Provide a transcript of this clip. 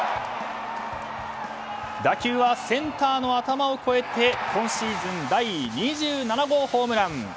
打球はセンターの頭を超えて今シーズン第２７号ホームラン。